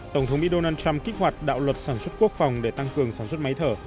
tổng thống mỹ donald trump kích hoạt đạo luật sản xuất quốc phòng để tăng cường sản xuất máy thở